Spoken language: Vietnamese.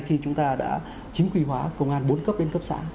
khi chúng ta đã chính quy hóa công an bốn cấp đến cấp xã